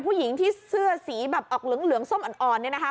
ผู้หญิงที่เสื้อสีแบบออกเหลืองส้มอ่อนเนี่ยนะคะ